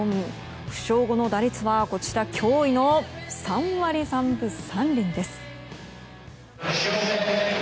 負傷後の打率は驚異の３割３分３厘です。